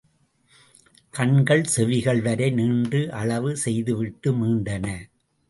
கண்கள் செவிகள் வரை நீண்டு அளவு செய்துவிட்டு மீண்டன.